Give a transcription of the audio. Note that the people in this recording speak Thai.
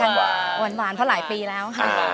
ผ่านหวานหวานรานพอหลายปีแล้ว